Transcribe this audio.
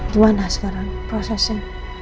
gimana sekarang prosesnya